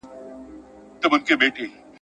ایوب خان له هراته را رسېدلی دئ.